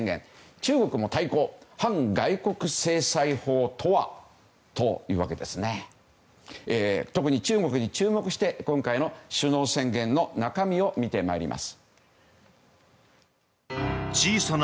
中国も対抗反外国制裁法とは？という特に中国に注目して今回の首脳宣言の中身を見てまいります。